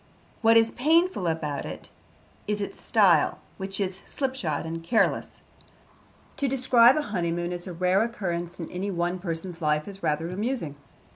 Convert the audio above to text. What is painful about it is its style, which is slipshod and careless. To describe a honeymoon as a rare occurrence in any one person's life is rather amusing.